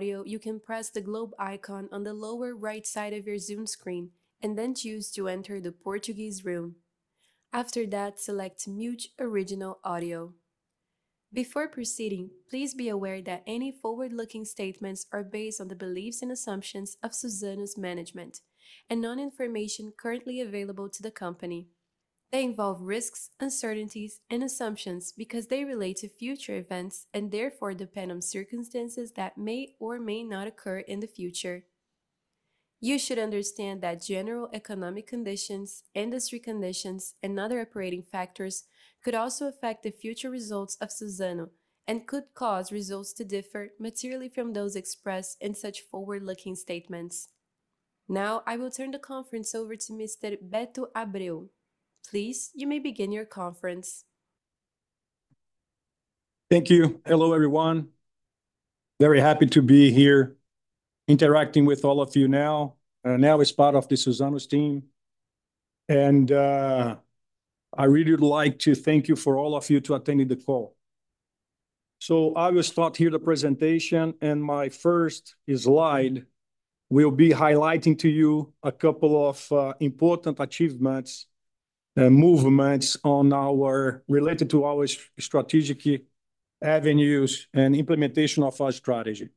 Audio, you can press the globe icon on the lower right side of your Zoom screen, and then choose to enter the Portuguese room. After that, select Mute Original Audio. Before proceeding, please be aware that any forward-looking statements are based on the beliefs and assumptions of Suzano's management, and information currently available to the company. They involve risks, uncertainties, and assumptions because they relate to future events, and therefore, depend on circumstances that may or may not occur in the future. You should understand that general economic conditions, industry conditions, and other operating factors could also affect the future results of Suzano, and could cause results to differ materially from those expressed in such forward-looking statements. Now, I will turn the conference over to Mr. Beto Abreu. Please, you may begin your conference. Thank you. Hello, everyone. Very happy to be here interacting with all of you now as part of the Suzano's team. I really would like to thank all of you to attending the call. I will start here the presentation, and my first slide will be highlighting to you a couple of important achievements and movements related to our strategic avenues and implementation of our strategy.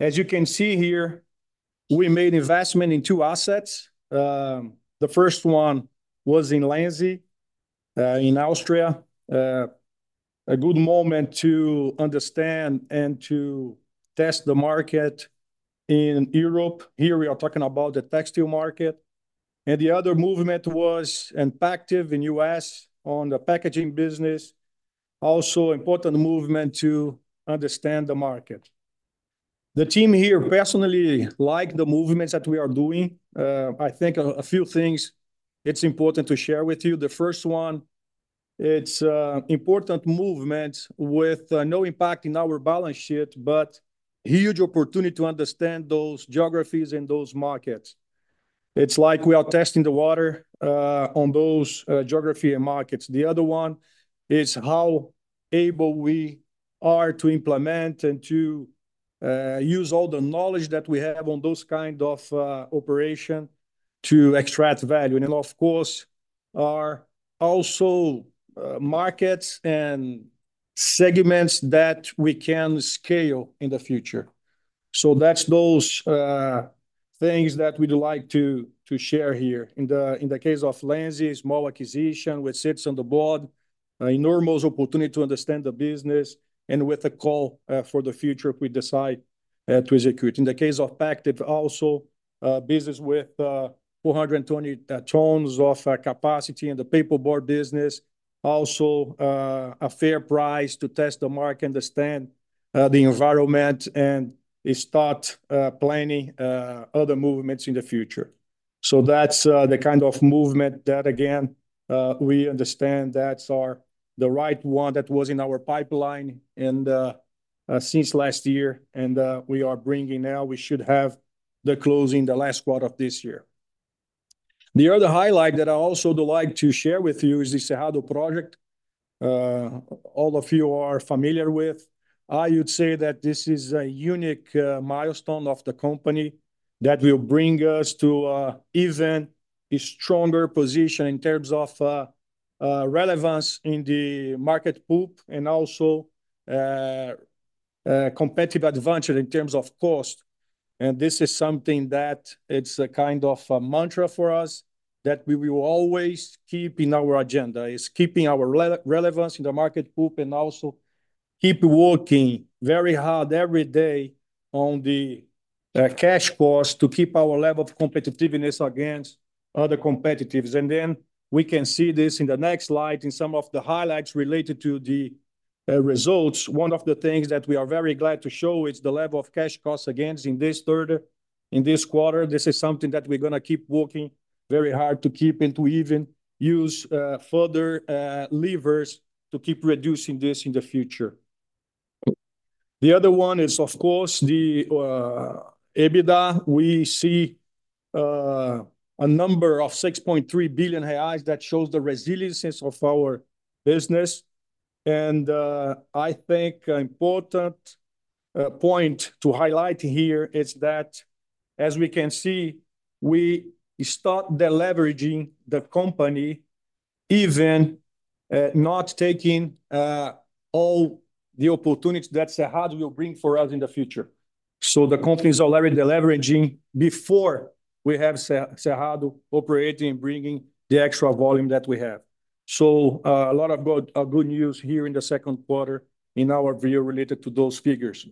As you can see here, we made investment in two assets. The first one was in Lenzing, in Austria. A good moment to understand and to test the market in Europe. Here, we are talking about the textile market, and the other movement was in Pactiv, in U.S., on the packaging business. Also, important movement to understand the market. The team here personally like the movements that we are doing. I think a few things it's important to share with you. The first one, it's a important movement with no impact in our balance sheet, but huge opportunity to understand those geographies and those markets. It's like we are testing the water on those geographies and markets. The other one is how able we are to implement and to use all the knowledge that we have on those kind of operation to extract value, and of course, are also markets and segments that we can scale in the future. That's those things that we'd like to share here. In the case of Lenzing, small acquisition, which sits on the board, an enormous opportunity to understand the business, and with a call for the future if we decide to execute. In the case of Pactiv, also, business with 420 tons of capacity in the paperboard business. Also, a fair price to test the market, understand the environment, and start planning other movements in the future. That's the kind of movement that, again, we understand are the right one that was in our pipeline, and since last year, we are bringing now. We should have the closing the last quarter of this year. The other highlight that I also would like to share with you is the Cerrado Project. All of you are familiar with. I would say that this is a unique milestone of the company that will bring us to even a stronger position in terms of relevance in the pulp market, and also competitive advantage in terms of cost. This is something that is a mantra for us, that we will always keep in our agenda. It's keeping our relevance in the pulp market, and also keep working very hard every day on the cash cost to keep our level of competitiveness against other competitors. We can see this in the next slide, some of the highlights related to the results. One of the things that we are very glad to show is the level of cash costs against in this quarter. This is something that we're going to keep working very hard to keep and to even use further levers to keep reducing this in the future. The other one is, of course, the EBITDA. We see a number of 6.3 billion reais that shows the resilience of our business, and I think an important point to highlight here is that, as we can see, we start deleveraging the company, even not taking all the opportunities that Cerrado will bring for us in the future. The company is already deleveraging before we have Cerrado operating and bringing the extra volume that we have. A lot of good news here in Q2 in our view related to those figures.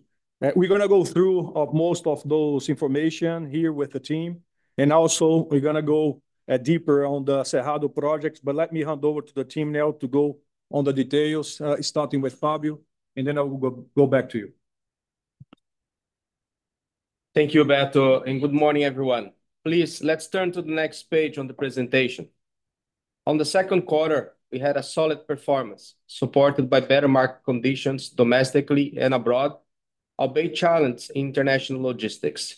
We're going to go through most of those information here with the team, and also we're going to go deeper on the Cerrado Projects. Let me hand over to the team now to go on the details, starting with Fábio, and then I will go back to you. Thank you, Beto, and good morning, everyone. Please, let's turn to the next page on the presentation. On the Q2, we had a solid performance, supported by better market conditions domestically and abroad, albeit challenged in international logistics.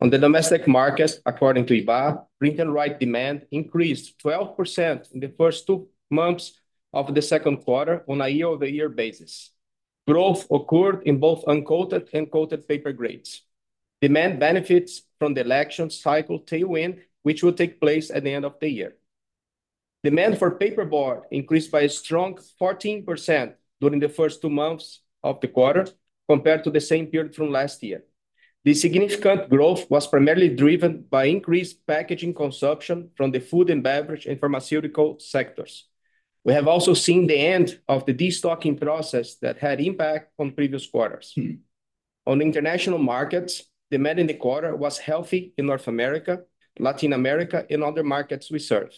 On the domestic markets, according to Ibá, print and write demand increased 12% in the first two months of Q2 on a year-over-year basis. Growth occurred in both uncoated and coated paper grades. Demand benefits from the election cycle tailwind, which will take place at the end of the year. Demand for paperboard increased by a strong 14% during the first two months of the quarter, compared to the same period from last year. The significant growth was primarily driven by increased packaging consumption from the food and beverage and pharmaceutical sectors. We have also seen the end of the destocking process that had impact on previous quarters. On international markets, demand in the quarter was healthy in North America, Latin America, and other markets we serve.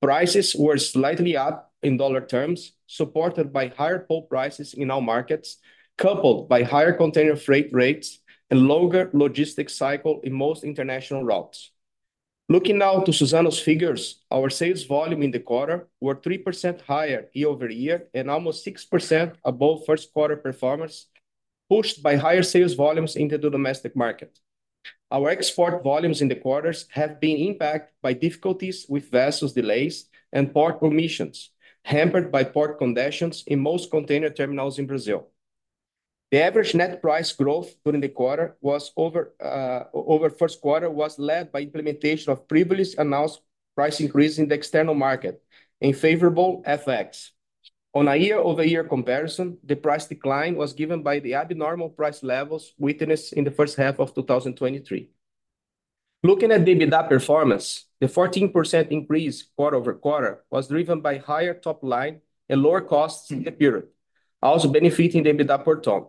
Prices were slightly up in dollar terms, supported by higher pulp prices in our markets, coupled by higher container freight rates and lower logistics cycle in most international routes. Looking now to Suzano's figures, our sales volume in the quarter were 3% higher year-over-year, and almost 6% above Q1 performance, pushed by higher sales volumes into the domestic market. Our export volumes in the quarters have been impacted by difficulties with vessels delays and port permissions, hampered by port congestions in most container terminals in Brazil. The average net price growth over Q1 was led by implementation of previously announced price increase in the external market in favorable FX. On a year-over-year comparison, the price decline was given by the abnormal price levels witnessed in H1 of 2023. Looking at the EBITDA performance, the 14% increase quarter-over-quarter was driven by higher top line and lower costs in the period, also benefiting EBITDA per ton.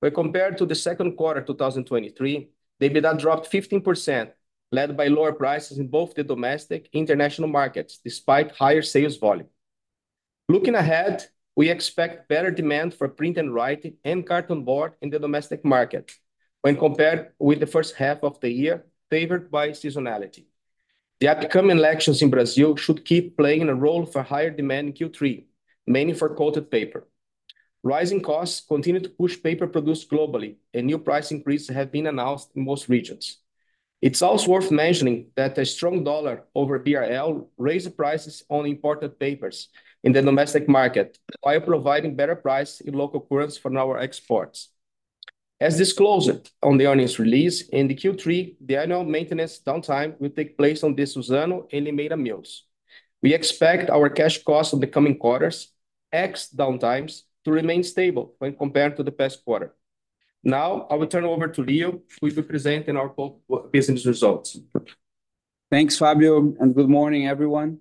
When compared to the Q2 2023, the EBITDA dropped 15%, led by lower prices in both the domestic international markets, despite higher sales volume. Looking ahead, we expect better demand for print and writing and carton board in the domestic market when compared with the H1 of the year, favored by seasonality. The upcoming elections in Brazil should keep playing a role for higher demand in Q3, mainly for coated paper. Rising costs continue to push paper produced globally, and new price increases have been announced in most regions. It's also worth mentioning that a strong dollar over BRL raised the prices on imported papers in the domestic market, while providing better price in local currency for our exports. As disclosed on the earnings release, in the Q3, the annual maintenance downtime will take place on the Suzano and Limeira mills. We expect our cash costs in the coming quarters, ex downtimes, to remain stable when compared to the past quarter. Now, I will turn over to Leo, who will present in our pulp business results. Thanks, Fábio, and good morning, everyone.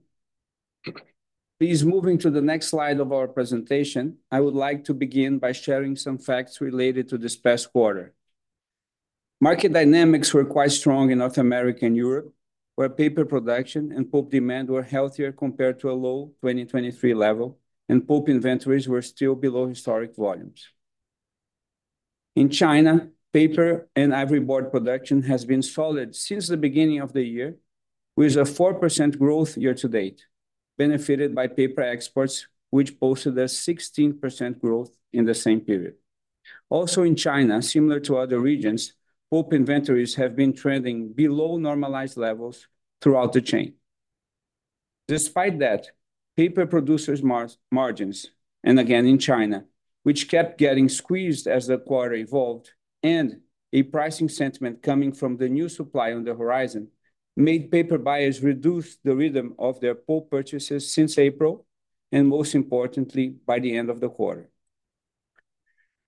Please, moving to the next slide of our presentation, I would like to begin by sharing some facts related to this past quarter. Market dynamics were quite strong in North America and Europe, where paper production and pulp demand were healthier compared to a low 2023 level, and pulp inventories were still below historic volumes. In China, paper and ivory board production has been solid since the beginning of the year, with a 4% growth year-to-date, benefited by paper exports, which posted a 16% growth in the same period. Also in China, similar to other regions, pulp inventories have been trending below normalized levels throughout the chain. Despite that, paper producers' margins, and again in China, which kept getting squeezed as the quarter evolved, and a pricing sentiment coming from the new supply on the horizon, made paper buyers reduce the rhythm of their pulp purchases since April, and most importantly, by the end of the quarter.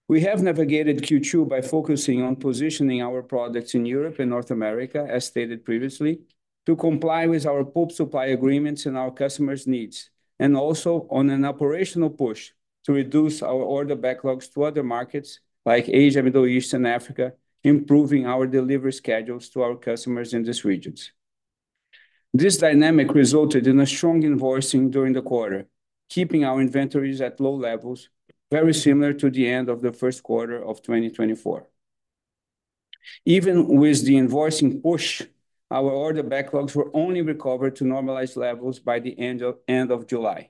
We have navigated Q2 by focusing on positioning our products in Europe and North America, as stated previously, to comply with our pulp supply agreements and our customers' needs, and also on an operational push to reduce our order backlogs to other markets like Asia, Middle East, and Africa, improving our delivery schedules to our customers in these regions. This dynamic resulted in a strong invoicing during the quarter, keeping our inventories at low levels, very similar to the end of Q1 of 2024. Even with the invoicing push, our order backlogs were only recovered to normalized levels by the end of July.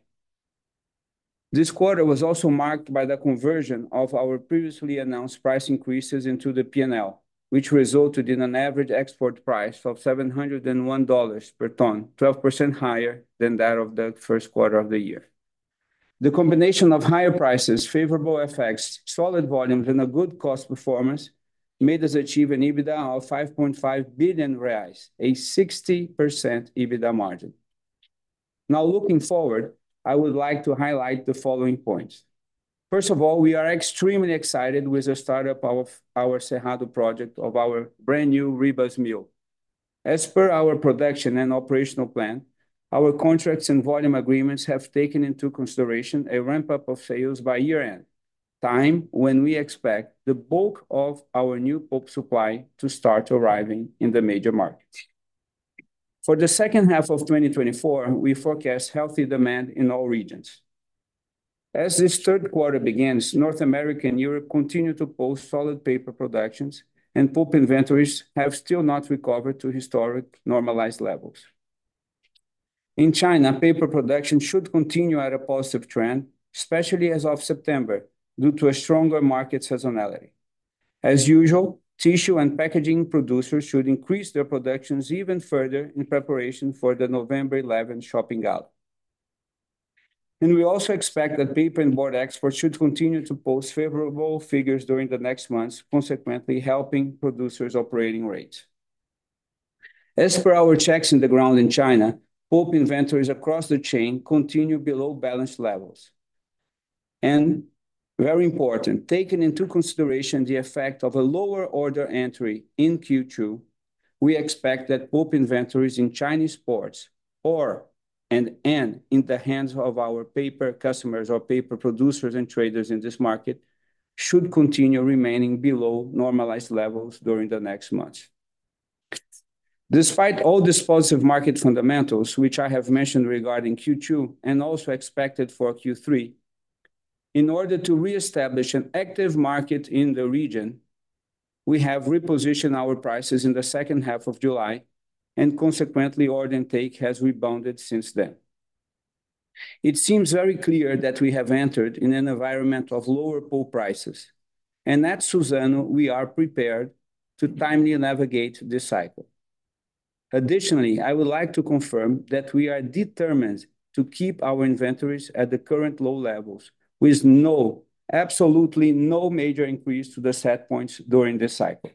This quarter was also marked by the conversion of our previously announced price increases into the P&L, which resulted in an average export price of $701 per ton, 12% higher than that of Q1 of the year. The combination of higher prices, favorable FX, solid volumes, and a good cost performance made us achieve an EBITDA of 5.5 billion reais, a 60% EBITDA margin. Now, looking forward, I would like to highlight the following points. First of all, we are extremely excited with the start-up of our Cerrado Project of our brand new Ribas mill. As per our production and operational plan, our contracts and volume agreements have taken into consideration a ramp-up of sales by year-end, time when we expect the bulk of our new pulp supply to start arriving in the major markets. For H2 of 2024, we forecast healthy demand in all regions. As Q3 begins, North America and Europe continue to post solid paper productions, and pulp inventories have still not recovered to historic normalized levels. In China, paper production should continue at a positive trend, especially as of September, due to a stronger market seasonality. As usual, tissue and packaging producers should increase their productions even further in preparation for the 11 November shopping gala. We also expect that paper and board exports should continue to post favorable figures during the next months, consequently, helping producers' operating rates. As per our checks on the ground in China, pulp inventories across the chain continue below balanced levels. Very important, taking into consideration the effect of a lower order entry in Q2, we expect that pulp inventories in Chinese ports or/and in the hands of our paper customers or paper producers and traders in this market, should continue remaining below normalized levels during the next months. Despite all this positive market fundamentals, which I have mentioned regarding Q2, and also expected for Q3, in order to reestablish an active market in the region, we have repositioned our prices in H2 of July, and consequently, order intake has rebounded since then. It seems very clear that we have entered in an environment of lower pulp prices, and at Suzano, we are prepared to timely navigate this cycle. Additionally, I would like to confirm that we are determined to keep our inventories at the current low levels with absolutely no major increase to the set points during this cycle.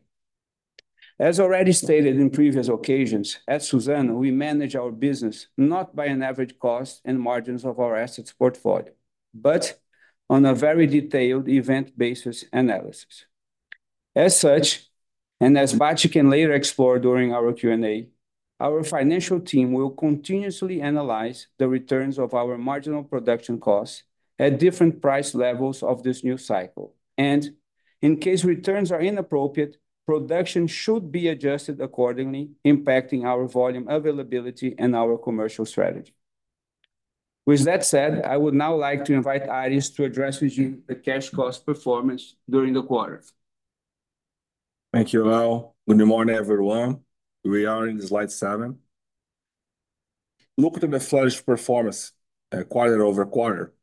As already stated in previous occasions, at Suzano, we manage our business not by an average cost and margins of our assets portfolio, but on a very detailed event-basis analysis. As such, and as Bacci can later explore during our Q&A, our financial team will continuously analyze the returns of our marginal production costs at different price levels of this new cycle. In case returns are inappropriate, production should be adjusted accordingly, impacting our volume availability and our commercial strategy. With that said, I would now like to invite Aires to address with you the cash cost performance during the quarter. Thank you, Leo. Good morning, everyone. We are in slide seven. Looking at the cash performance quarter-over-quarter,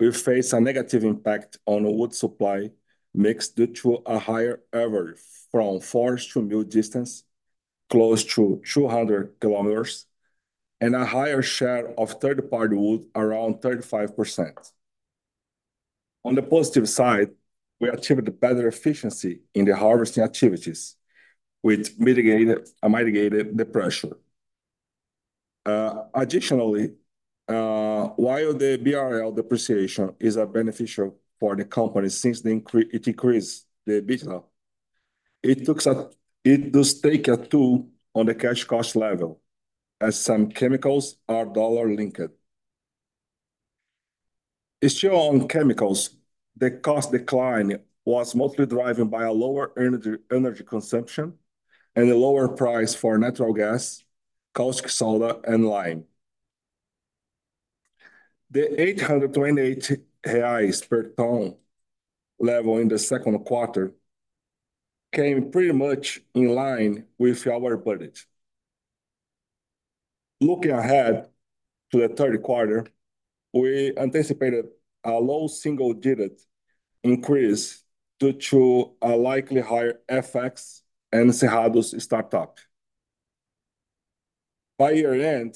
we face a negative impact on the wood supply mix due to a higher average from forest-to-mill distance, close to 200km, and a higher share of third-party wood, around 35%. On the positive side, we achieved a better efficiency in the harvesting activities, which mitigated the pressure. Additionally, while the BRL depreciation is beneficial for the company since it increased the EBITDA, it does take a toll on the cash cost level, as some chemicals are dollar-linked. Issue on chemicals, the cost decline was mostly driven by a lower energy consumption and a lower price for natural gas, caustic soda and lime. The 828 reais per ton level in the Q2 came pretty much in line with our budget. Looking ahead to Q3, we anticipated a low single-digit increase due to a likely higher FX and Cerrado's start-up. By year-end,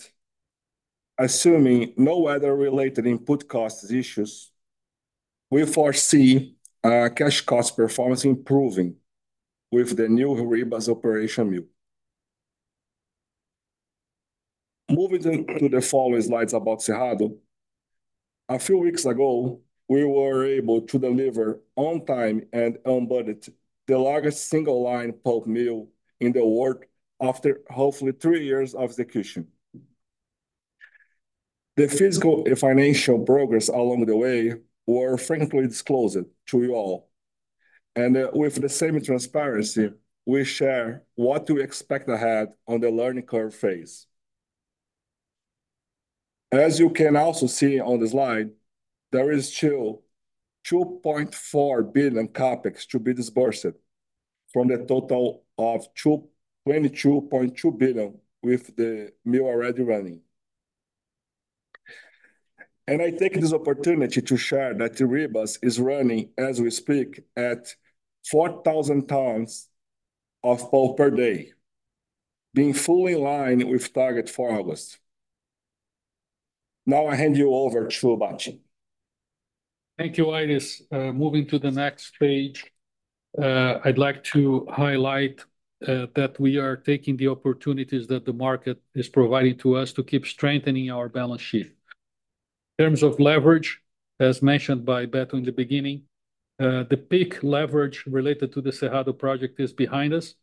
assuming no weather-related input costs issues, we foresee cash cost performance improving with the new Ribas operation mill. Moving to the following slides about Cerrado. A few weeks ago, we were able to deliver on time and on budget, the largest single-line pulp mill in the world after hopefully three years of execution. The physical and financial progress along the way were frankly disclosed to you all, and with the same transparency, we share what we expect ahead on the learning curve phase. As you can also see on the slide, there is still 2.4 billion CapEx to be disbursed from the total of 22.2 billion with the mill already running. I take this opportunity to share that the Ribas is running as we speak at 4,000 tons of pulp per day, being fully in line with target for August. Now I hand you over to Bacci. Thank you, Aires. Moving to the next page, I'd like to highlight that we are taking the opportunities that the market is providing to us to keep strengthening our balance sheet. In terms of leverage, as mentioned by Beto in the beginning, the peak leverage related to the Cerrado Project is behind us,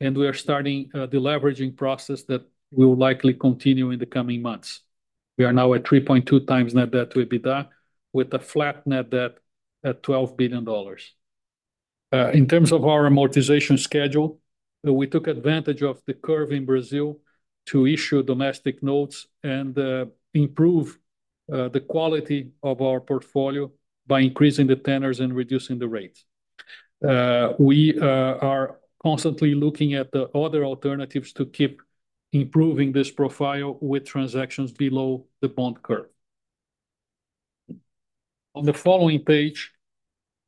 and we are starting the leveraging process that will likely continue in the coming months. We are now at 3.2x net debt to EBITDA, with a flat net debt at $12 billion. In terms of our amortization schedule, we took advantage of the curve in Brazil to issue domestic notes and improve the quality of our portfolio by increasing the tenors and reducing the rates. We are constantly looking at the other alternatives to keep improving this profile with transactions below the bond curve. On the following page,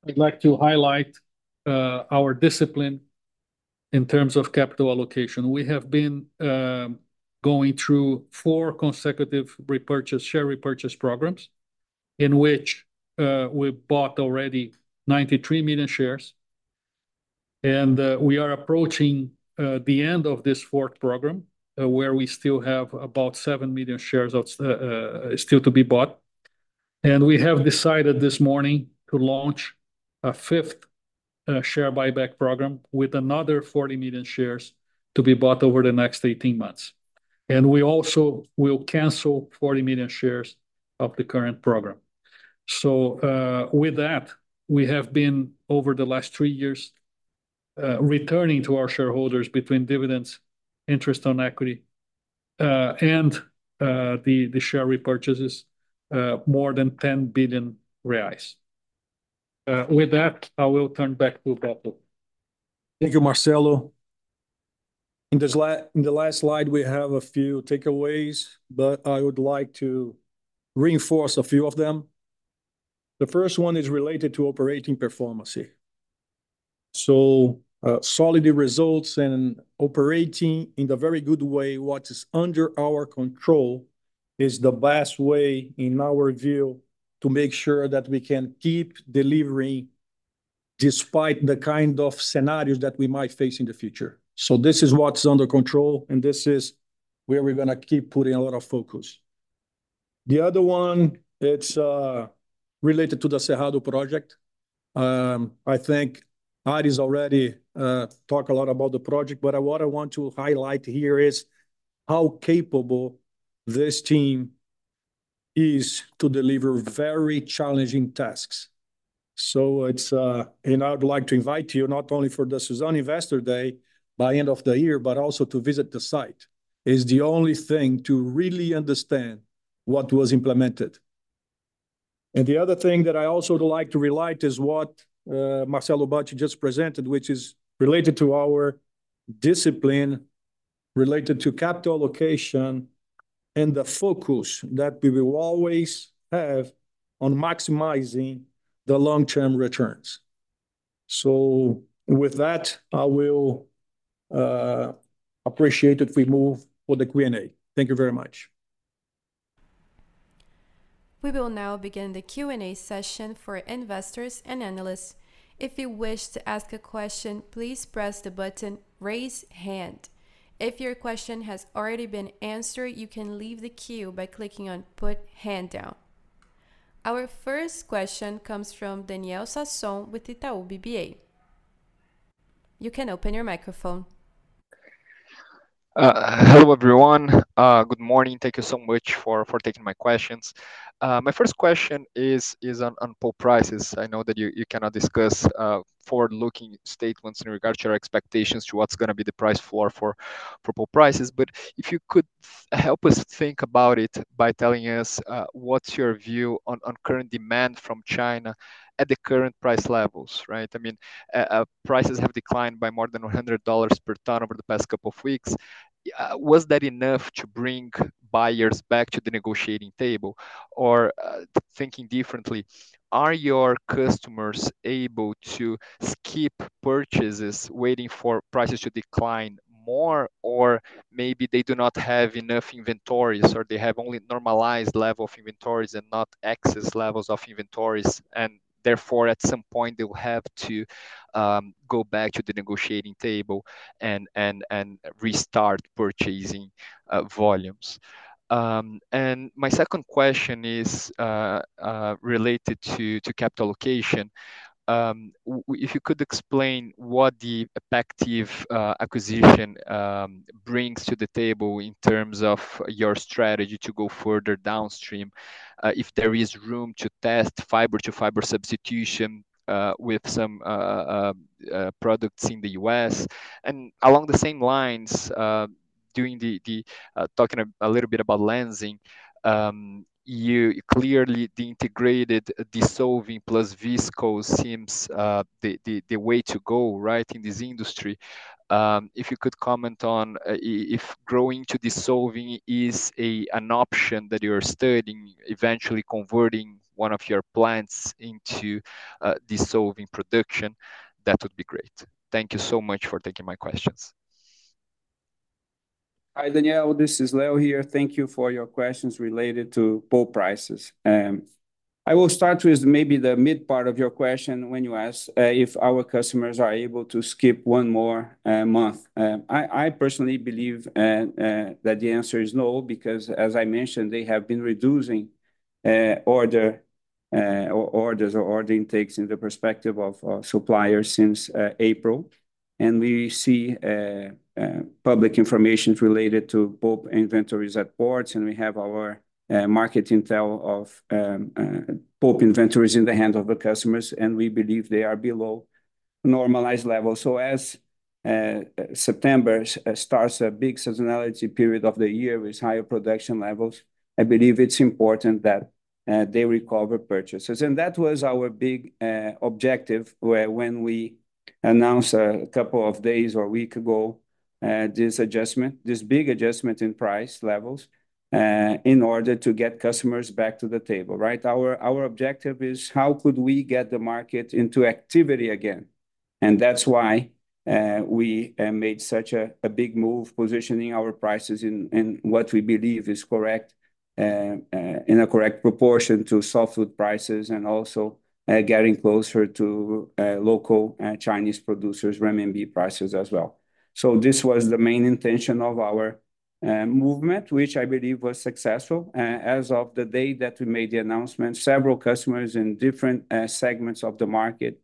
I'd like to highlight our discipline in terms of capital allocation. We have been going through four consecutive share repurchase programs in which we bought already 93 million shares. We are approaching the end of this fourth program, where we still have about 7 million shares still to be bought. We have decided this morning to launch a fifth share buyback program with another 40 million shares to be bought over the next 18 months. We will cancel 40 million shares of the current program. With that, we have been, over the last three years, returning to our shareholders between dividends, interest on equity, and the share repurchases, more than 10 billion reais. With that, I will turn back to Beto. Thank you, Marcelo. In the last slide, we have a few takeaways, but I would like to reinforce a few of them. The first one is related to operating performance here. Solid results and operating in a very good way, what is under our control is the best way, in our view, to make sure that we can keep delivering despite the scenarios that we might face in the future. This is what's under control, and this is where we're going to keep putting a lot of focus. The other one, it's related to the Cerrado Project. I think Aires already talked a lot about the project, but what I want to highlight here is how capable this team is to deliver very challenging tasks. I would like to invite you not only for the Suzano Investor Day by end of the year, but also to visit the site, is the only thing to really understand what was implemented. The other thing that I also would like to highlight is what Marcelo Bacci just presented, which is related to our discipline, related to capital allocation, and the focus that we will always have on maximizing the long-term returns. With that, I will appreciate if we move for the Q&A. Thank you very much. We will now begin the Q&A session for investors and analysts. If you wish to ask a question, please press the button, Raise Hand. If your question has already been answered, you can leave the queue by clicking on Put Hand Down. Our first question comes from Daniel Sasson with Itaú BBA. You can open your microphone. Hello, everyone. Good morning. Thank you so much for taking my questions. My first question is on pulp prices. I know that you cannot discuss forward-looking statements in regards to your expectations to what's going to be the price for pulp prices. If you could help us think about it by telling us what's your view on current demand from China at the current price levels. Prices have declined by more than $100 per ton over the past couple of weeks. Was that enough to bring buyers back to the negotiating table? Thinking differently, are your customers able to skip purchases, waiting for prices to decline more or maybe they do not have enough inventories or they have only normalized level of inventories and not excess levels of inventories, and therefore, at some point, they will have to go back to the negotiating table and restart purchasing volumes. My second question is related to capital allocation. If you could explain what the Pactiv acquisition brings to the table in terms of your strategy to go further downstream, if there is room to test fiber-to-fiber substitution with some products in the U.S. Along the same lines, talking a little bit about Lenzing, the integrated dissolving plus viscose seems the way to go in this industry. If you could comment on if growing to dissolving is an option that you're studying, eventually converting one of your plants into dissolving production, that would be great. Thank you so much for taking my questions. Hi, Daniel, this is Leo here. Thank you for your questions related to pulp prices. I will start with maybe the mid part of your question when you ask if our customers are able to skip one more month. I, personally, believe that the answer is no, because as I mentioned, they have been reducing orders or order intakes in the perspective of suppliers since April. We see public information related to pulp inventories at ports, and we have our market intel of pulp inventories in the hands of the customers, and we believe they are below normalized levels. As September starts, a big seasonality period of the year with higher production levels, I believe it's important that they recover purchases. That was our big objective when we announced a couple of days or a week ago, this big adjustment in price levels, in order to get customers back to the table. Our objective is how could we get the market into activity again? That's why we made such a big move positioning our prices in a correct proportion to softwood prices and also getting closer to local, Chinese producers RMB prices as well. This was the main intention of our movement which I believe was successful. As of the day that we made the announcement, several customers in different segments of the market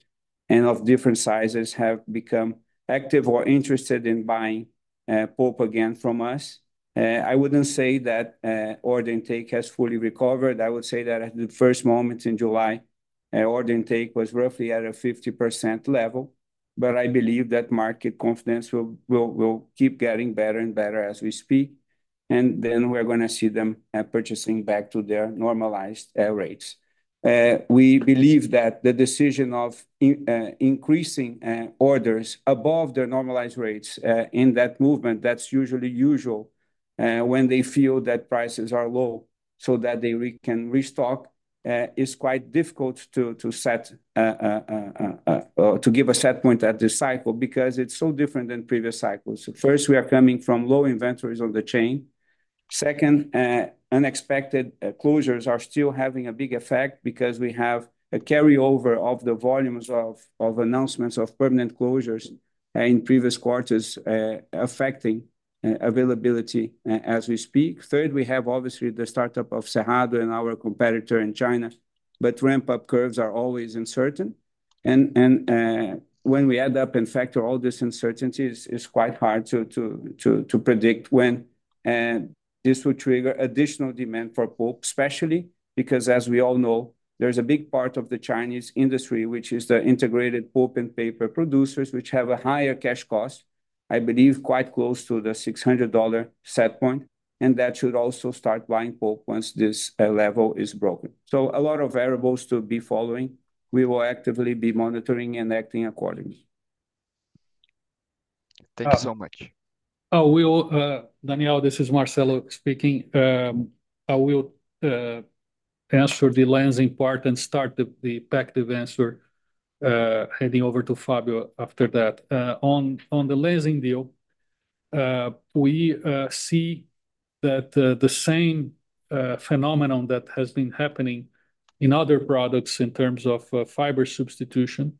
and of different sizes have become active or interested in buying pulp again from us. I wouldn't say that order intake has fully recovered. I would say that at the first moment in July, order intake was roughly at a 50% level, but I believe that market confidence will keep getting better and better as we speak, and then we're going to see them purchasing back to their normalized rates. We believe that the decision of increasing orders above their normalized rates in that movement, that's usually usual when they feel that prices are low so that they can restock, is quite difficult to give a set point at this cycle because it's so different than previous cycles. First, we are coming from low inventories on the chain. Second, unexpected closures are still having a big effect because we have a carryover of the volumes of announcements of permanent closures in previous quarters affecting availability as we speak. Third, we have obviously the start-up of Cerrado and our competitor in China, but ramp-up curves are always uncertain. When we add up and factor all this uncertainties, it's quite hard to predict when this will trigger additional demand for pulp, especially because, as we all know, there's a big part of the Chinese industry, which is the integrated pulp and paper producers, which have a higher cash cost, I believe quite close to the $600 set point, and that should also start buying pulp once this level is broken. A lot of variables to be following. We will actively be monitoring and acting accordingly. Thank you so much. Daniel, this is Marcelo speaking. I will answer the Lenzing part and start the active answer, heading over to Fabio after that. On the Lenzing deal, we see that the same phenomenon that has been happening in other products in terms of fiber substitution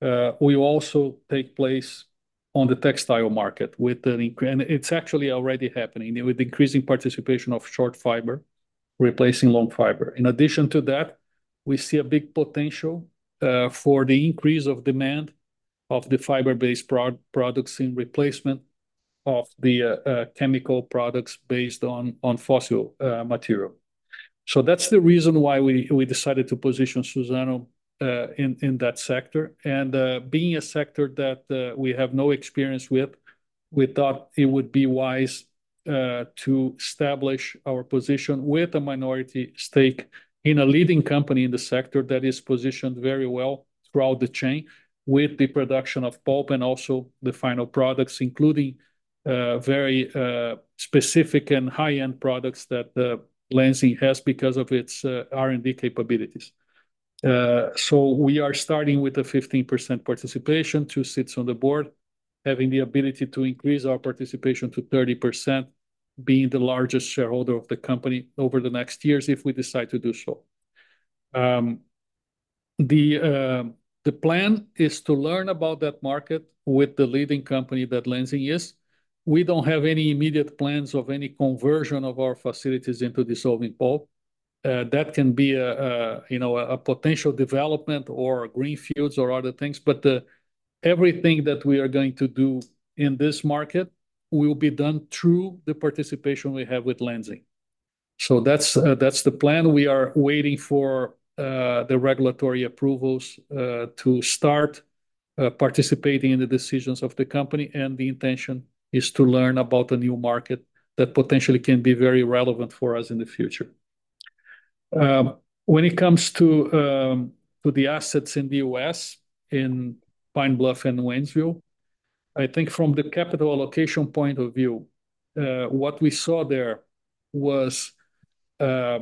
will also take place on the textile market. It's actually already happening, with increasing participation of short fiber replacing long fiber. In addition to that, we see a big potential for the increase of demand of the fiber-based products in replacement of the chemical products based on fossil material. That's the reason why we decided to position Suzano in that sector. Being a sector that we have no experience with, we thought it would be wise to establish our position with a minority stake in a leading company in the sector that is positioned very well throughout the chain, with the production of pulp and also the final products, including very specific and high-end products that Lenzing has because of its R&D capabilities. We are starting with a 15% participation, two seats on the board, having the ability to increase our participation to 30%, being the largest shareholder of the company over the next years if we decide to do so. The plan is to learn about that market with the leading company that Lenzing is. We don't have any immediate plans of any conversion of our facilities into dissolving pulp. That can be a potential development or greenfields or other things, but everything that we are going to do in this market will be done through the participation we have with Lenzing. That's the plan. We are waiting for the regulatory approvals to start participating in the decisions of the company, and the intention is to learn about a new market that potentially can be very relevant for us in the future. When it comes to the assets in the U.S., in Pine Bluff and Waynesville, I think from the capital allocation point of view, what we saw there was a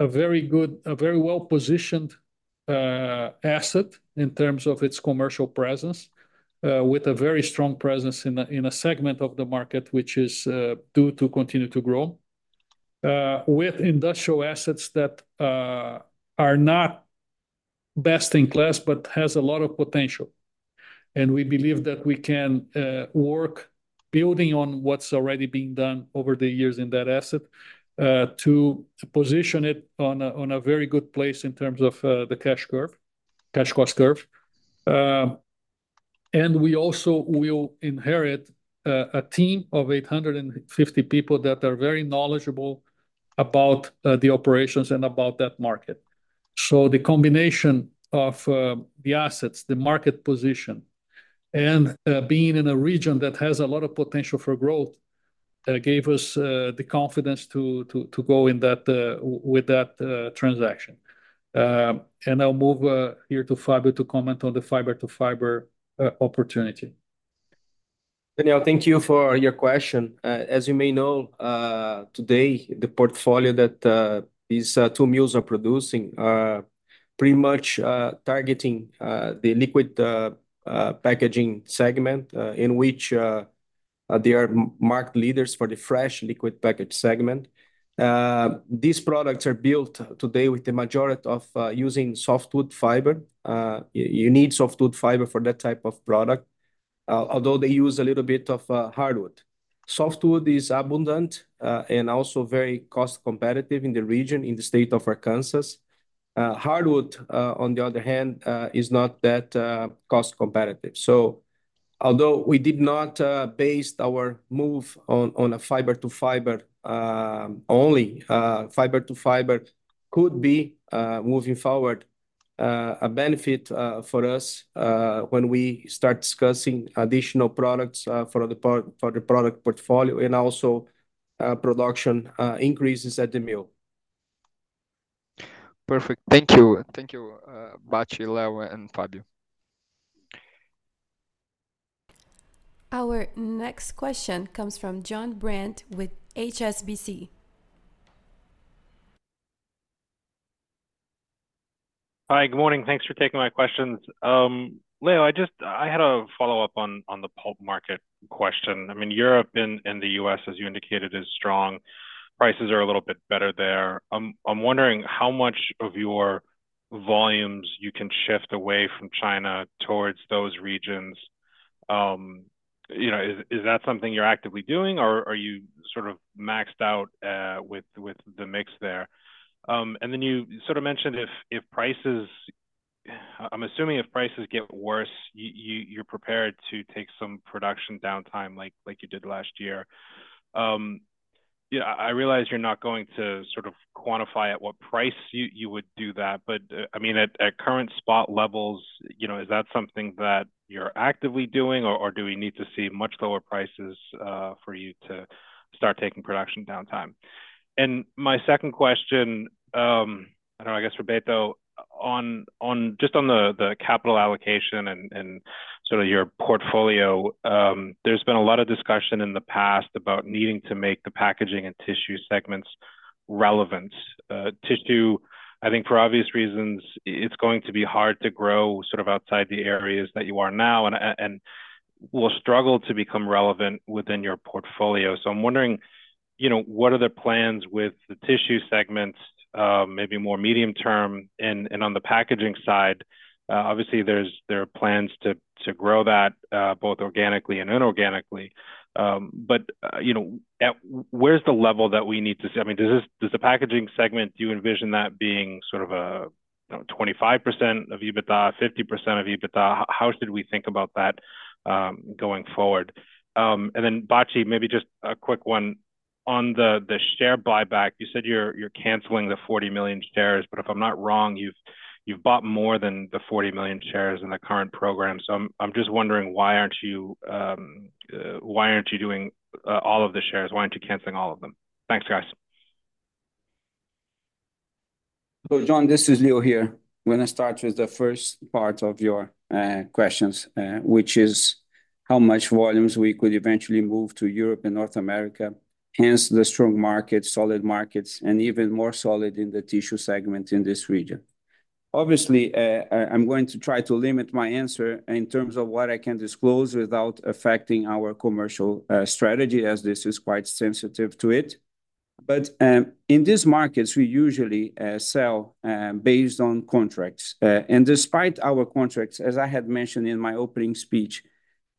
very well-positioned, asset in terms of its commercial presence, with a very strong presence in a segment of the market, which is, due to continue to grow. With industrial assets that are not best in class, but has a lot of potential, and we believe that we can work, building on what's already been done over the years in that asset, to position it on a very good place in terms of the cash cost curve. Also, will inherit a team of 850 people that are very knowledgeable about the operations and about that market. The combination of the assets, the market position, and being in a region that has a lot of potential for growth gave us the confidence to go with that transaction. I'll move to Fábio to comment on the fiber-to-fiber opportunity. Daniel, thank you for your question. As you may know, today, the portfolio that these two mills are producing are pretty much targeting the liquid packaging segment, in which they are market leaders for the fresh liquid package segment. These products are built today using softwood fiber. You need softwood fiber for that type of product, although they use a little bit of hardwood. Softwood is abundant and also very cost competitive in the region, in the state of Arkansas. Hardwood, on the other hand, is not that cost competitive. Although we did not base our move on a fiber to fiber, only fiber to fiber could be moving forward a benefit for us when we start discussing additional products for the product portfolio, and also production increases at the mill. Perfect. Thank you, Bacci, Leo, and Fabio. Our next question comes from Jon Brandt with HSBC. Hi, good morning. Thanks for taking my questions. Leo, I had a follow-up on the pulp market question. Europe and the U.S., as you indicated, is strong. Prices are a little bit better there. I'm wondering how much of your volumes you can shift away from China towards those regions. Is that something you're actively doing, or are you maxed out with the mix there? I'm assuming, if prices get worse, you're prepared to take some production downtime like you did last year? I realize you're not going to quantify at what price you would do that. At current spot levels, is that something that you're actively doing, or do we need to see much lower prices for you to start taking production downtime? My second question, just on the capital allocation and your portfolio, there's been a lot of discussion in the past about needing to make the packaging and tissue segments relevant. Tissue, I think for obvious reasons, it's going to be hard to grow outside the areas that you are now, and will struggle to become relevant within your portfolio. I'm wondering, what are the plans with the tissue segments maybe more medium term? On the packaging side, obviously there are plans to grow that both organically and inorganically. Where's the level that we need to see? The packaging segment, do you envision that being 25% of EBITDA, 50% of EBITDA? How should we think about that going forward? Bacci, maybe just a quick one. On the share buyback, you said you're canceling the 40 million shares, but if I'm not wrong, you've bought more than the 40 million shares in the current program. I'm just wondering, all of the shares, why aren't you canceling all of them? Thanks, guys. Jon, this is Leo here. I'm going to start with the first part of your questions, which is how much volumes we could eventually move to Europe and North America, hence the strong market, solid markets, and even more solid in the tissue segment in this region. I'm going to try to limit my answer in terms of what I can disclose without affecting our commercial strategy, as this is quite sensitive to it. In these markets, we usually sell based on contracts, and despite our contracts, as I had mentioned in my opening speech,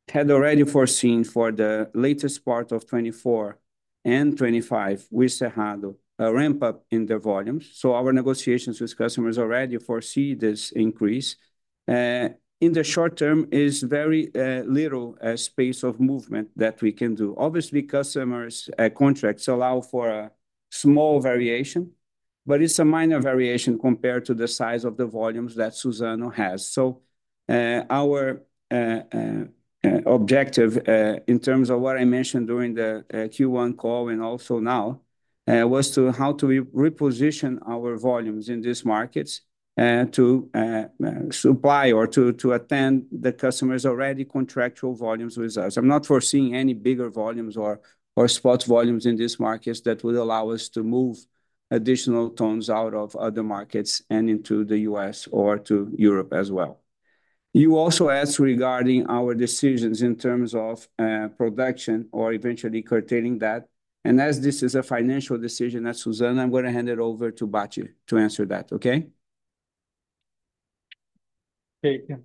had already foreseen for the latest part of 2024 and 2025 with Cerrado, a ramp up in the volumes, so our negotiations with customers already foresee this increase. In the short term, very little space of movement that we can do. Obviously, contracts allow for a small variation, but it's a minor variation compared to the size of the volumes that Suzano has. Our objective in terms of what I mentioned during the Q1 call and also now was to how to reposition our volumes in these markets, to supply or to attend the customers' already contractual volumes with us. I'm not foreseeing any bigger volumes or spot volumes in these markets that would allow us to move additional tons out of other markets and into the U.S. or to Europe as well. You also asked regarding our decisions in terms of production or eventually curtailing that, and as this is a financial decision at Suzano, I'm going to hand it over to Bacci to answer that. Okay? Yeah.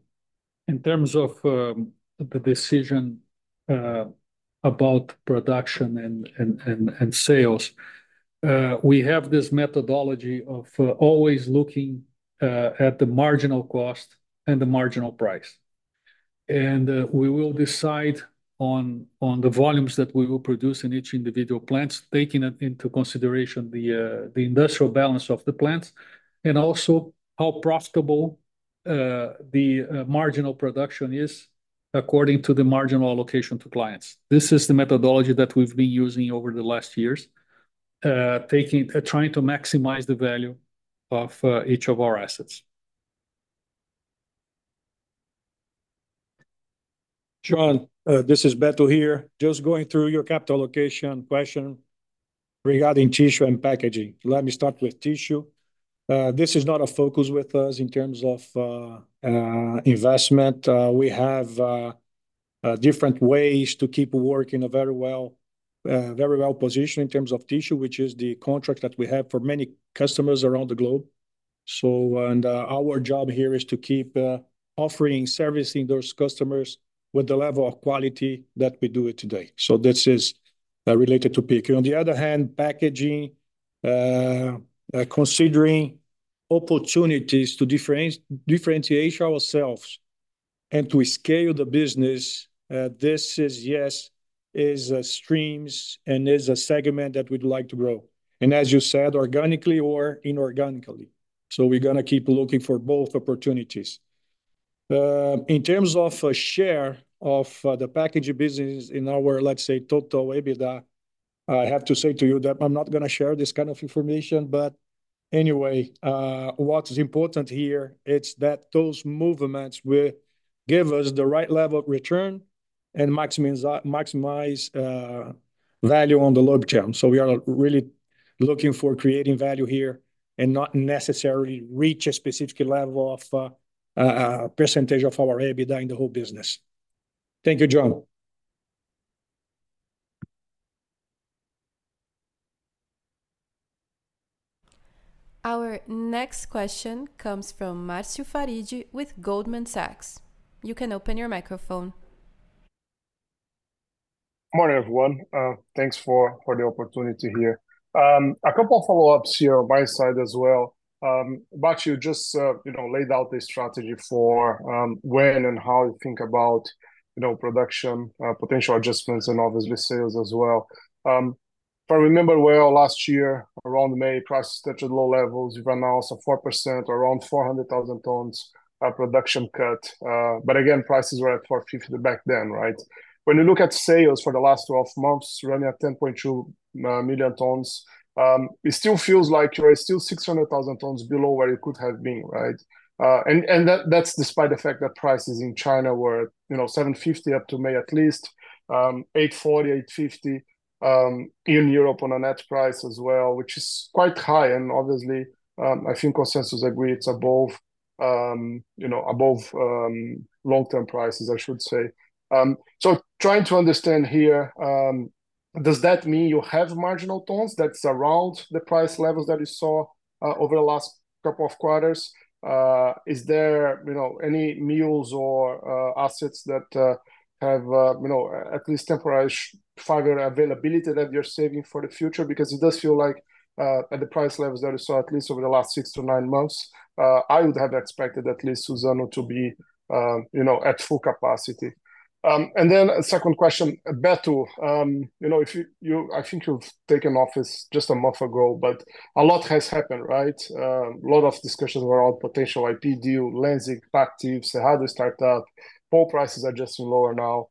In terms of the decision about production and sales, we have this methodology of always looking at the marginal cost and the marginal price. We will decide on the volumes that we will produce in each individual plants, taking into consideration the industrial balance of the plants, and also how profitable the marginal production is according to the marginal allocation to clients. This is the methodology that we've been using over the last years, trying to maximize the value of each of our assets. Jon, this is Beto here. Just going through your capital allocation question regarding tissue and packaging. Let me start with tissue. This is not a focus with us in terms of investment. We have different ways to keep working very well-positioned in terms of tissue, which is the contract that we have for many customers around the globe. Our job here is to keep servicing those customers with the level of quality that we do it today. This is related to pulp. On the other hand, packaging, considering opportunities to differentiate ourselves and to scale the business, this is, yes, a stream and is a segment that we'd like to grow, and as you said, organically or inorganically. We're going to keep looking for both opportunities. In terms of a share of the packaging businesses in our, let's say, total EBITDA, I have to say to you that I'm not going to share this kind of information. Anyway, what is important here is that those movements will give us the right level of return and maximize value in the long term. We are really looking for creating value here, and not necessarily reach a specific level of percentage of our EBITDA in the whole business. Thank you, Jon. Our next question comes from Marcio Farid with Goldman Sachs. You can open your microphone. Morning, everyone. Thanks for the opportunity here. A couple of follow-ups here on my side as well. Bacci you just laid out the strategy for when and how you think about production potential adjustments, and obviously sales as well. If I remember well, last year around May, prices touched low levels. You've announced a 4%, around 400,000 tons, production cut. Again, prices were at $450 back then. When you look at sales for the last 12 months, running at 10.2 million tons, it still feels like you are still 600,000 tons below where you could have been. That's despite the fact that prices in China were $750 up to May, at least, $840, $850, in Europe on a net price as well, which is quite high. I think consensus agree it's above long-term prices, I should say. Trying to understand here, does that mean you have marginal tons that's around the price levels that you saw over the last couple of quarters? Any mills or assets that have at least temporary fiber availability that you're saving for the future? At the price levels that we saw, at least over the last six to nine months, I would have expected Suzano to be at full capacity. Second question, Beto, I think you've taken office just a month ago, but a lot has happened. A lot of discussions around potential IP deal, Lenzing, Pactiv, Cerrado start-up, pulp prices are just lower now.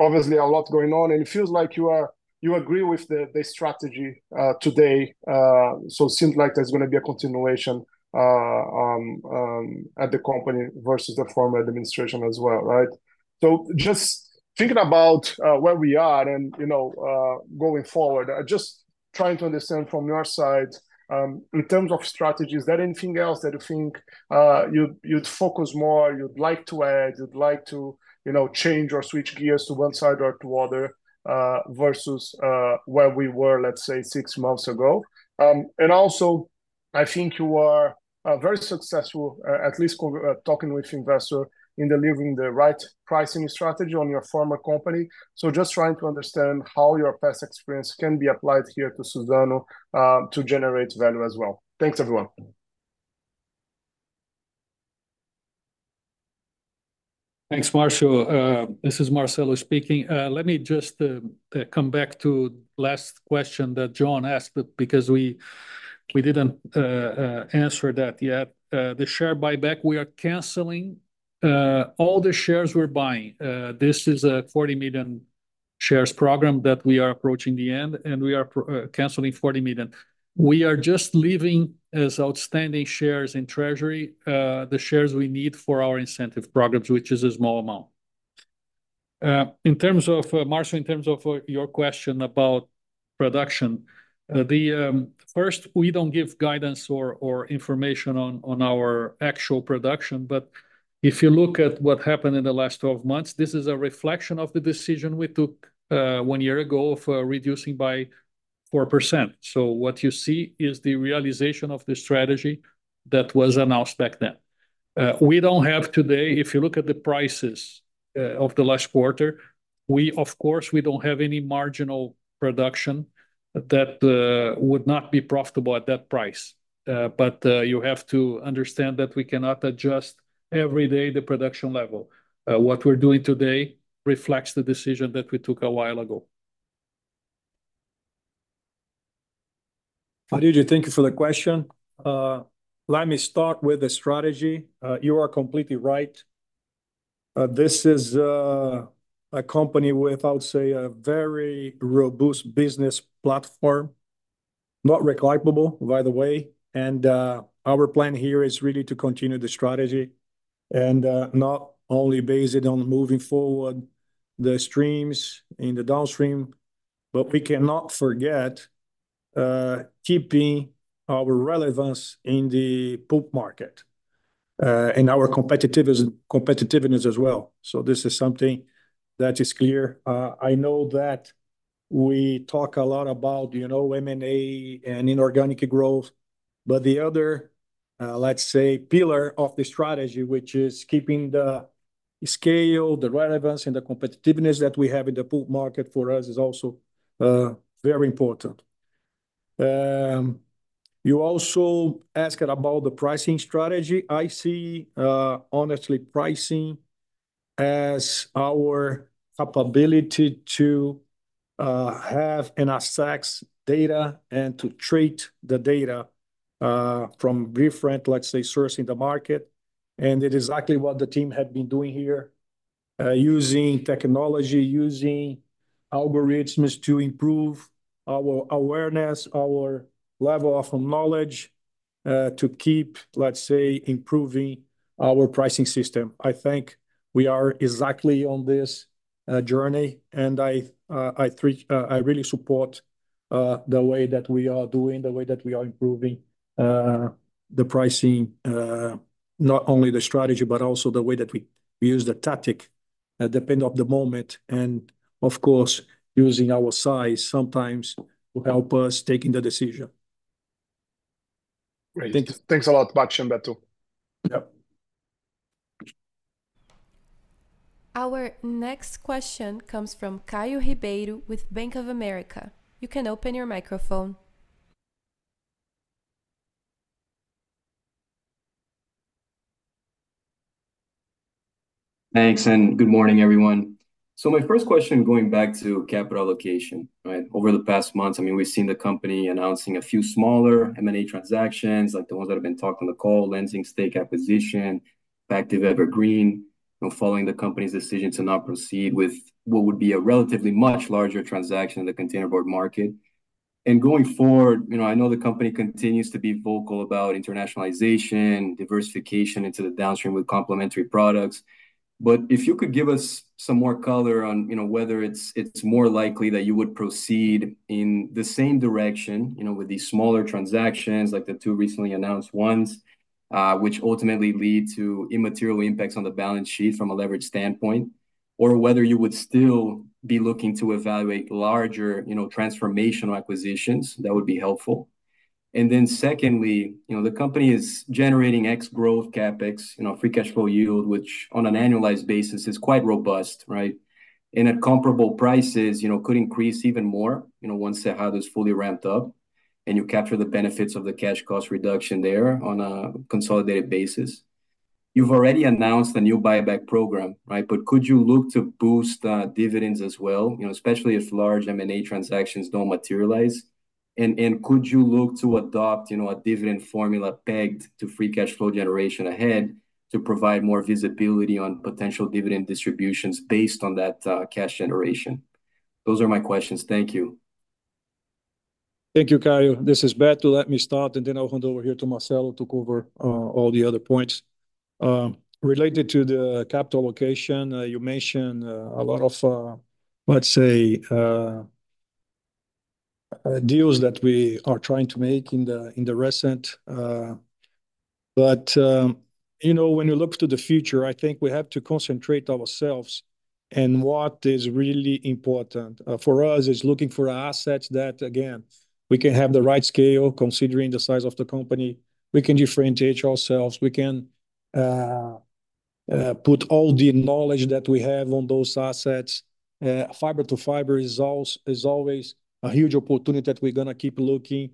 Obviously, a lot going on, and it feels like you agree with the strategy today. It seems like there's going to be a continuation at the company versus the former administration as well. Just thinking about where we are and going forward, trying to understand from your side, in terms of strategy, is there anything else that you you'd focus more, you'd like to add, you'd like to change or switch gears to one side or to other, versus where we were, let's say, six months ago? Also, I think you are very successful, at least talking with investor in delivering the right pricing strategy on your former company. Just trying to understand how your past experience can be applied here to Suzano to generate value as well. Thanks, everyone. Thanks, Marcio. This is Marcelo speaking. Let me just come back to last question that John asked, but because we didn't answer that yet. The share buyback, we are canceling all the shares we're buying. This is a 40 million shares program that we are approaching the end, and we are canceling 40 million. We are just leaving as outstanding shares in Treasury the shares we need for our incentive programs, which is a small amount. Marcio, in terms of your question about production, first, we don't give guidance or information on our actual production, but if you look at what happened in the last 12 months, this is a reflection of the decision we took one year ago of reducing by 4%. What you see is the realization of the strategy that was announced back then. We don't have today, if you look at the prices, of the last quarter, of course, we don't have any marginal production that would not be profitable at that price. You have to understand that we cannot adjust every day the production level. What we're doing today reflects the decision that we took a while ago. Farid, thank you for the question. Let me start with the strategy. You are completely right. This is a company with, I would say, a very robust business platform, not replicable, by the way, and our plan here is really to continue the strategy, and not only based it on moving forward the streams in the downstream, but we cannot forget keeping our relevance in the pulp market and our competitiveness as well. This is something that is clear. I know that we talk a lot about M&A and inorganic growth, but the other, let's say, pillar of the strategy, which is keeping the scale, the relevance, and the competitiveness that we have in the pulp market for us, is also very important. You also asked about the pricing strategy. I see, honestly, pricing as our capability to have enough facts, data, and to treat the data from different, let's say, source in the market. It is exactly what the team have been doing here, using technology, using algorithms to improve our awareness, our level of knowledge to keep, let's say, improving our pricing system. I think we are exactly on this journey, and I really support the way that we are doing, the way that we are improving the pricing. Not only the strategy, but also the way that we, we use the tactic that depend on the moment, and of course, using our size sometimes to help us taking the decision. Great. Thanks a lot, Beto. Our next question comes from Caio Ribeiro with Bank of America. You can open your microphone. Thanks, and good morning, everyone. My first question, going back to capital allocation. Over the past months, we've seen the company announcing a few smaller M&A transactions, like the ones that have been talked on the call, Lenzing stake acquisition, Pactiv Evergreen, following the company's decision to not proceed with what would be a relatively much larger transaction in the containerboard market. I know the company continues to be vocal about internationalization, diversification into the downstream with complementary products. If you could give us some more color on whether it's more likely that you would proceed in the same direction with these smaller transactions, like the two recently announced ones, which ultimately lead to immaterial impacts on the balance sheet from a leverage standpoint, or whether you would still be looking to evaluate larger, transformational acquisitions, that would be helpful. Secondly, the company is generating ex-growth CapEx, free cash flow yield, which on an annualized basis is quite robust, and at comparable prices, could increase even more once Cerrado is fully ramped up, and you capture the benefits of the cash cost reduction there on a consolidated basis. You've already announced a new buyback program, but could you look to boost dividends as well, especially if large M&A transactions don't materialize? Could you look to adopt a dividend formula pegged to free cash flow generation ahead to provide more visibility on potential dividend distributions based on that cash generation? Those are my questions. Thank you. Thank you, Caio. This is Beto. Let me start, and then I'll hand over here to Marcelo to cover all the other points. Related to the capital allocation, you mentioned a lot of, let's say, deals that we are trying to make in the recent. When you look to the future, I think we have to concentrate ourselves, and what is really important for us is looking for assets that, again, we can have the right scale, considering the size of the company. We can differentiate ourselves, we can put all the knowledge that we have on those assets. Fiber to fiber is always a huge opportunity that we're going to keep looking.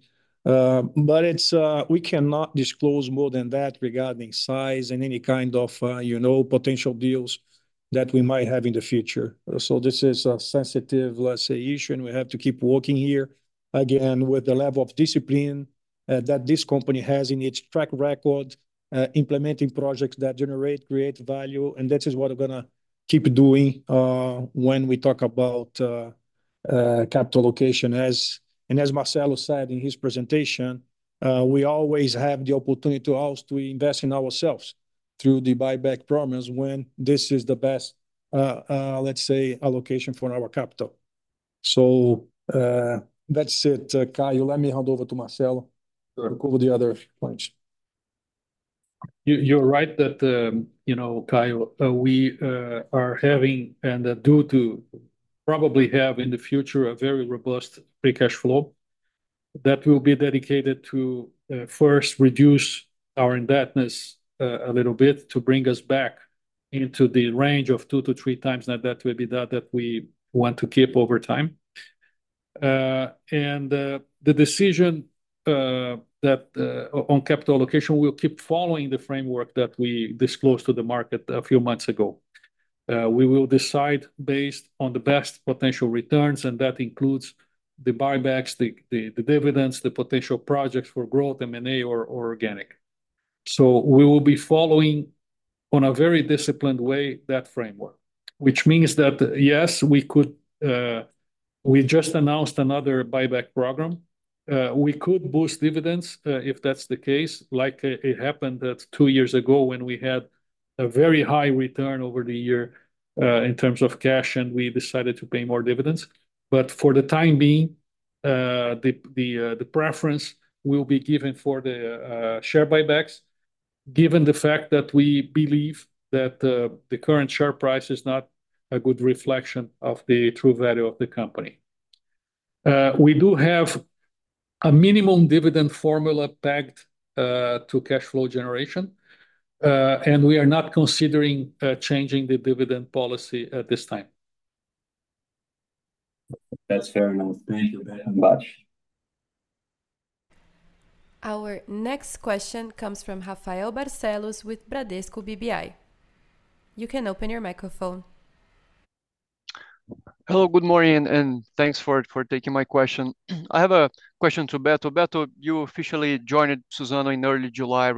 We cannot disclose more than that regarding size and any kind of potential deals that we might have in the future. This is a sensitive, let's say, issue, and we have to keep working here, again, with the level of discipline that this company has in its track record, implementing projects that generate, create value, and that is what we're going to keep doing when we talk about capital allocation. As Marcelo said in his presentation, we always have the opportunity also to invest in ourselves through the buyback programs when this is the best, let's say, allocation for our capital. That's it, Caio. Let me hand over to Marcelo to cover the other points. We are having, and probably have in the future, a very robust free cash flow that will be dedicated to first reduce our indebtedness a little bit to bring us back into the range of 2x-3x net debt that we want to keep over time. On capital allocation, we'll keep following the framework that we disclosed to the market a few months ago. We will decide based on the best potential returns, and that includes the buybacks, the dividends, the potential projects for growth, M&A, or organic. We will be following on a very disciplined way that framework. We just announced another buyback program. We could boost dividends, if that's the case. It happened two years ago when we had a very high return over the year in terms of cash, and we decided to pay more dividends. For the time being, the preference will be given for the share buybacks, given the fact that we believe that the current share price is not a good reflection of the true value of the company. We do have a minimum dividend formula pegged to cash flow generation, and we are not considering changing the dividend policy at this time. That's fair enough. Thank you very much. Our next question comes from Rafael Barcellos with Bradesco BBI. You can open your microphone. Good morning, and thanks for taking my question. I have a question to Beto. Beto, you officially joined Suzano in early July.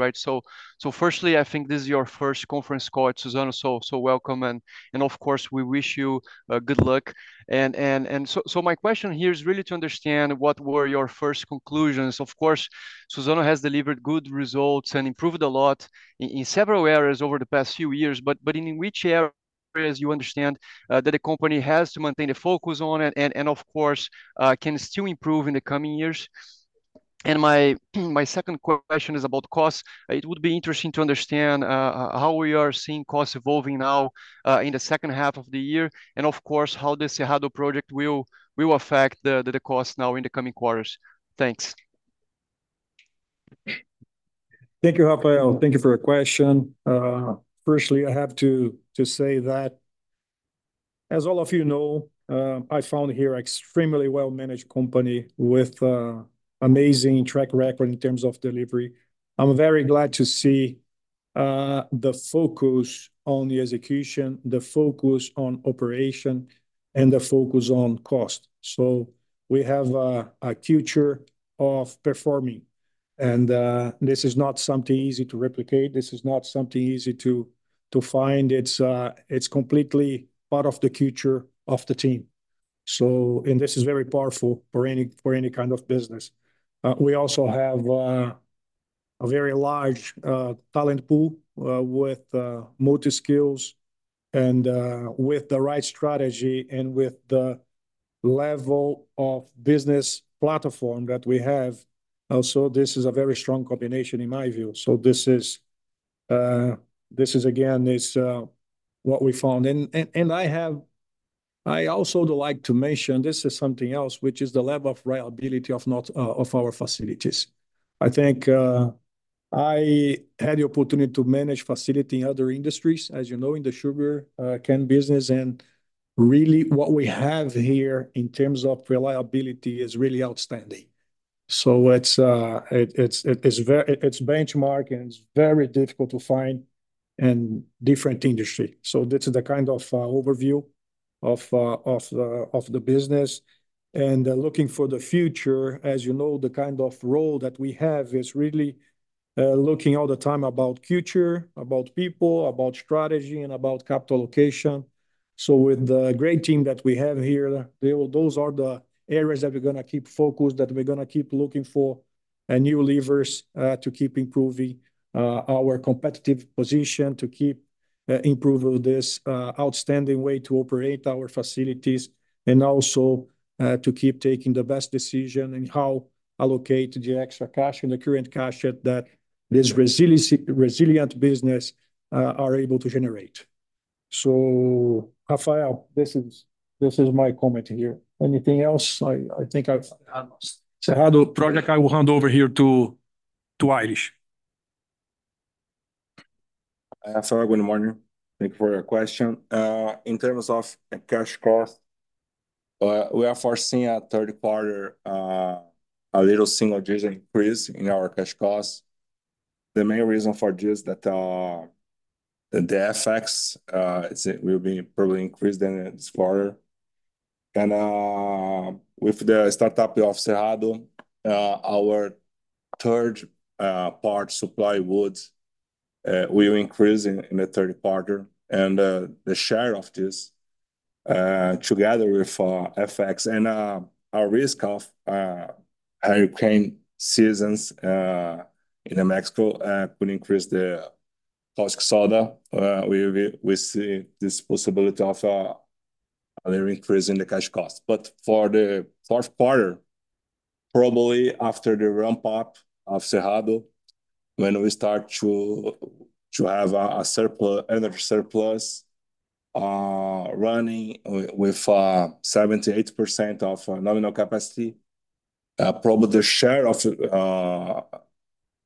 Firstly, I think this is your first conference call at Suzano, so welcome, and, of course, we wish you good luck. My question here is really to understand what were your first conclusions? Of course, Suzano has delivered good results and improved a lot in several areas over the past few years, but in which areas you understand that the company has to maintain a focus on, and, of course, can still improve in the coming years? My second question is about cost. It would be interesting to understand how we are seeing costs evolving now in H2 of the year, and of course, how the Cerrado Project will affect the cost now in the coming quarters. Thanks. Thank you, Rafael. Thank you for your question. Firstly, I have to say that, as all of you know, I found here extremely well-managed company with amazing track record in terms of delivery. I'm very glad to see the focus on the execution, the focus on operation, and the focus on cost. We have a culture of performing, and this is not something easy to replicate, this is not something easy to find. It's completely part of the culture of the team, and this is very powerful for any kind of business. We also have a very large talent pool with multi skills and with the right strategy, and with the level of business platform that we have. Also, this is a very strong combination in my view. This is again what we found. I also would like to mention, this is something else, which is the level of reliability of our facilities. I had the opportunity to manage facility in other industries, as you know, in the sugar cane business, and really, what we have here in terms of reliability is really outstanding. It's benchmark, and it's very difficult to find in different industry. This is the overview of the business. Looking for the future, as you know, the role that we have is really looking all the time about future, about people, about strategy, and about capital allocation. With the great team that we have here, those are the areas that we're going to keep focused, that we're going to keep looking for new levers to keep improving, our competitive position, to keep improving this outstanding way to operate our facilities, and also, to keep taking the best decision in how allocate the extra cash and the current cash that this resilient business are able to generate. This is my comment here. Anything else? Cerrado Project, I will hand over here to Aires. In terms of cash cost, we are foreseeing at Q3, a little single-digit increase in our cash costs. The main reason for this is that the FX will be probably increased in this quarter. With the startup of Cerrado, our third-party supply woods will increase in the Q3. The share of this, together with FX and a risk of hurricane seasons in Mexico, we see this possibility of increasing the cash cost. For Q4, probably after the ramp up of Cerrado, when we start to have another surplus with 78% of nominal capacity, probably the share of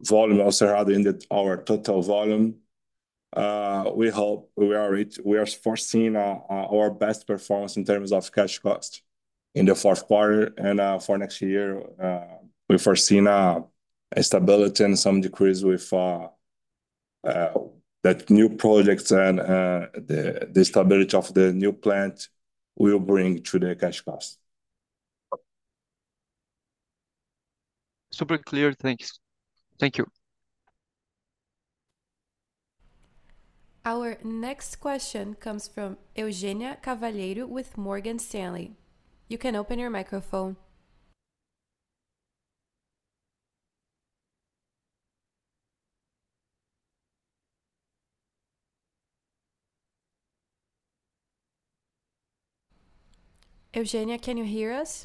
volume also had in our total volume. We foresee our best performance in terms of cash cost in Q4 and for next year. We foresee a stability and some decrease with new projects and the stability of the new plant will bring to the cash cost. Super clear. Our next question comes from Eugênia Ceballos with Morgan Stanley. You can open your microphone. Eugênia, can you hear us?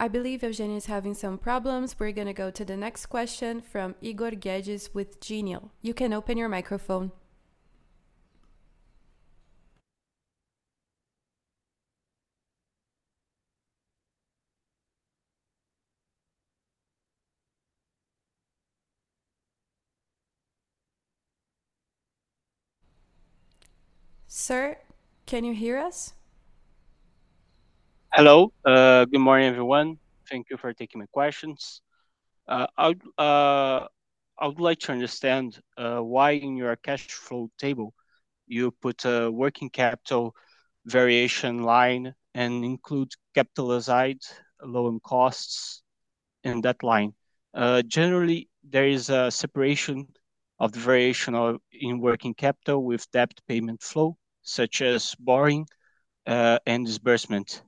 I believe Eugênia is having some problems. We're going to go to the next question from Igor Guedes with Genial. You can open your microphone. Sir, can you hear us? Hello. Good morning, everyone. Thank you for taking my questions. I would like to understand why in your cash flow table you put a working capital variation line and include capitalized loan costs in that line. Generally, there is a separation of the variation of in working capital with debt payment flow, such as borrowing and disbursement.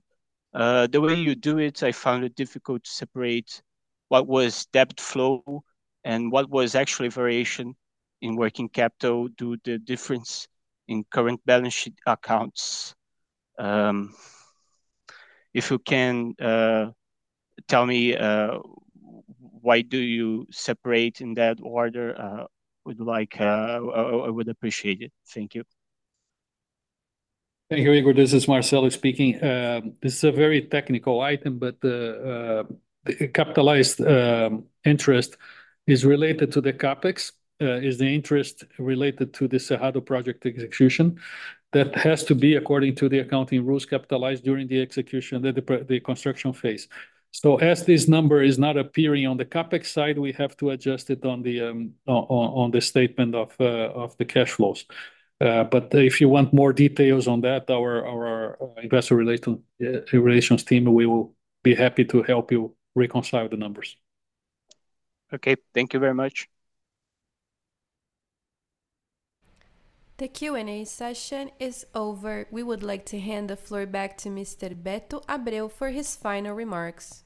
The way you do it, I found it difficult to separate what was debt flow and what was actually variation in working capital due to difference in current balance sheet accounts. If you can tell me why do you separate in that order, I would appreciate it. Thank you. Thank you, Igor. This is Marcelo speaking. This is a very technical item, but the capitalized interest is related to the CapEx related to the Cerrado Project execution. That has to be, according to the accounting rules, capitalized during the execution, the construction phase. As this number is not appearing on the CapEx side, we have to adjust it on the statement of the cash flows. If you want more details on that, our investor relations team will be happy to help you reconcile the numbers. Okay. Thank you very much. The Q&A session is over. We would like to hand the floor back to Mr. Beto Abreu for his final remarks.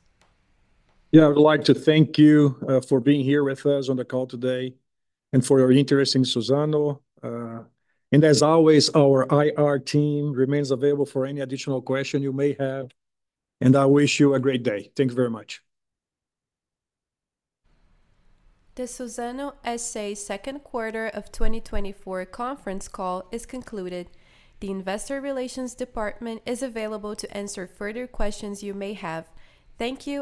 Yeah. I would like to thank you for being here with us on the call today, and for your interest in Suzano. As always, our IR team remains available for any additional question you may have, and I wish you a great day. Thank you very much. The Suzano S.A. Q2 of 2024 conference call is concluded. The Investor Relations Department is available to answer further questions you may have. Thank you.